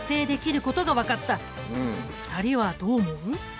２人はどう思う？